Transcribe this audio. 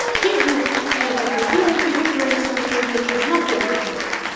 І гурт, і яго прыхільнікі выклаліся ў той вечар напоўніцу!